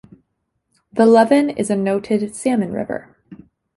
The Leven is a noted salmon river.